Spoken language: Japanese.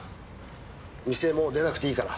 店もう出なくていいから。